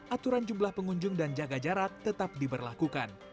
aturan jumlah pengunjung dan jaga jarak tetap diberlakukan